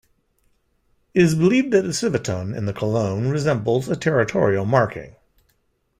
It is believed that the civetone in the cologne resembles a territorial marking.